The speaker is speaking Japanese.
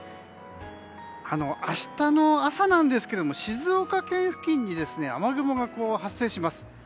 明日の朝なんですが静岡県付近に雨雲が発生します。